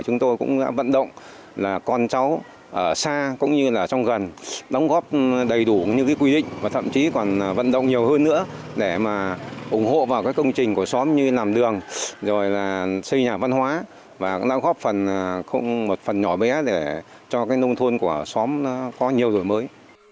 chúng tôi cũng đã vận động là con cháu ở xa cũng như là trong gần đóng góp đầy đủ những quy định và thậm chí còn vận động nhiều hơn nữa để mà ủng hộ vào công trình của xóm như làm đường xây nhà văn hóa và đóng góp một phần nhỏ bé để cho nông thôn của xóm có nhiều đổi mới